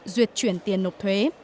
duyệt chuyển tiền nộp thuế